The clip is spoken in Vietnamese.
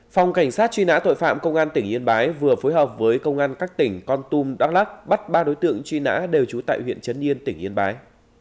phòng cảnh sát truy nã tội phạm công an tỉnh yên bái vừa phối hợp với công an các tỉnh con tum đắk lắc bắt ba đối tượng truy nã đều trú tại huyện trấn yên tỉnh yên bái